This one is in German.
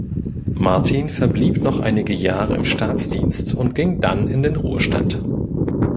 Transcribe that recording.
Martin verblieb noch einige Jahre im Staatsdienst und ging dann in den Ruhestand.